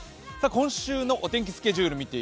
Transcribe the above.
東京のお天気スケジュールです。